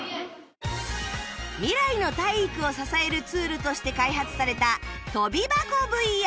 未来の体育を支えるツールとして開発された跳び箱 ＶＲ